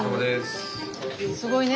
すごいね。